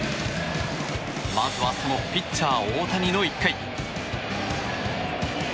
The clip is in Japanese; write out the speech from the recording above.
まずはそのピッチャー大谷の１回。